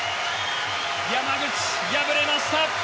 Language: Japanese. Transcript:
山口、敗れました。